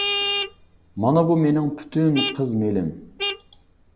مانا بۇ مېنىڭ پۈتۈن قىز مېلىم.